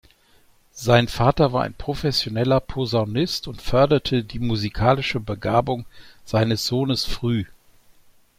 Sein Vater war ein professioneller Posaunist und förderte die musikalische Begabung seines Sohnes früh.